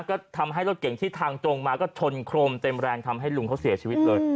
ก็ทำให้รถเก่งที่ทางตรงมาก็ชนโครมเต็มแรงทำให้ลุงเขาเสียชีวิตเลย